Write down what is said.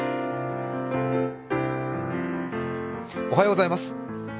おはようございます。